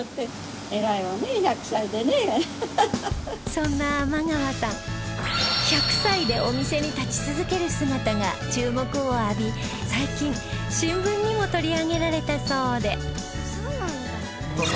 そんな天川さん１００歳でお店に立ち続ける姿が注目を浴び最近新聞にも取り上げられたそうで